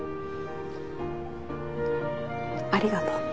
ありがとう。